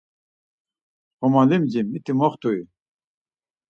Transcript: “Ğomalimci miti moxt̆ui?”